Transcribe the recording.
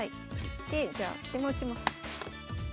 でじゃあ桂馬打ちます。